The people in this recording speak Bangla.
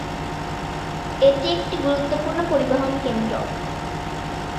এটি একটি গুরুত্বপূর্ণ পরিবহন কেন্দ্র।